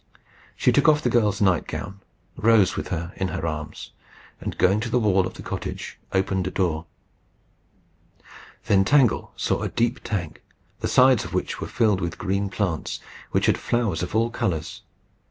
She took off the girl's night gown, rose with her in her arms, and going to the wall of the cottage, opened a door. Then Tangle saw a deep tank, the sides of which were filled with green plants, which had flowers of all colours.